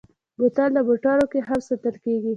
بوتل د موټرو کې هم ساتل کېږي.